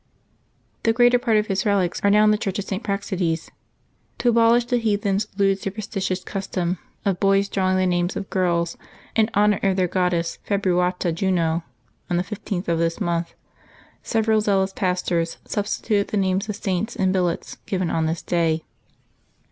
The greater part of his relics are now in the Church of St. Praxedes. To abolish the heathens' lewd superstitious custom of boys drawing the names of girls, in honor of their goddess Feb ruata Juno, on the 15th of this month, several zealous pastors substituted the names of Saints in billets given on this day.